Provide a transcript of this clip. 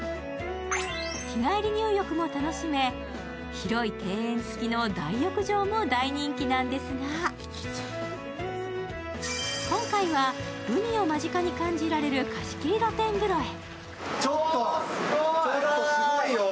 日帰り入浴も楽しめ、広い庭園付きの大浴場も人気なんですが今回は、海を間近に感じられる貸し切り露天風呂へ。